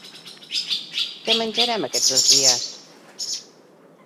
Què menjarem aquests dos dies?